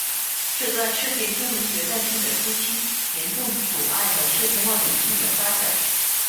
这在射电天文学诞生的初期严重阻碍了射电望远镜的发展。